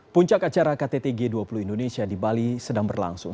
puncak acara ktt g dua puluh indonesia di bali sedang berlangsung